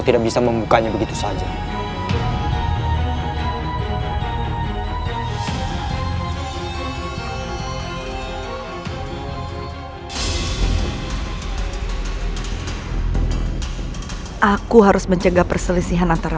tidak bisa membukanya begitu saja aku harus mencegah perselisihan antara